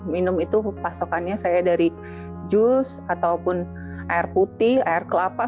minum itu pasokannya saya dari jus ataupun air putih air kelapa